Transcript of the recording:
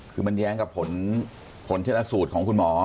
คือมันแย้งกับผลชนะสูตรของคุณหมอ